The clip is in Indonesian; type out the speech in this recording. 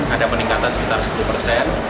ada peningkatan sekitar sepuluh persen